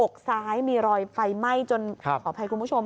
อกซ้ายมีรอยไฟไหม้จนขออภัยคุณผู้ชม